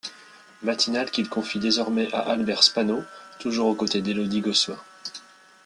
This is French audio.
Matinale qu’il confie désormais à Albert Spano, toujours aux côtés d’Élodie Gossuin.